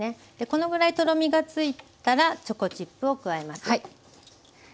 このぐらいとろみがついたらチョコチップを加えます。